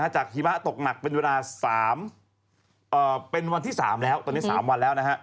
จากหิมะตกหนักเป็นวันที่๓แล้ว